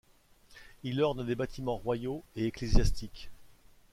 Il orne des bâtiments royaux et ecclésiastiques.